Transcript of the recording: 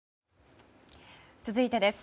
続いてです。